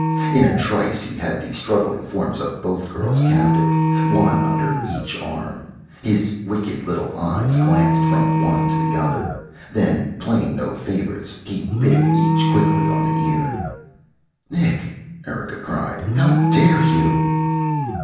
In a trice he had the struggling forms of both girls captive, one under each arm. His wicked little eyes glanced from one to another. Then, playing no favorites, he bit each quickly on the ear. "Nick!" Erika cried. "How dare you!"